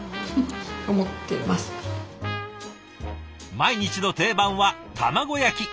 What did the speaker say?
毎日の定番は卵焼き。